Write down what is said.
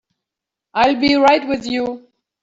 I'll be right with you.